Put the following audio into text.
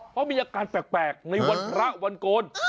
เพราะมีอาการแปลกในวันพระวันโกน